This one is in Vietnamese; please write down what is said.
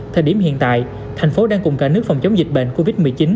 thời điểm hiện tại tp hcm đang cùng cả nước phòng chống dịch bệnh covid một mươi chín